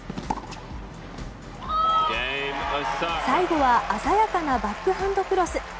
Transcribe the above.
最後は鮮やかなバックハンドクロス。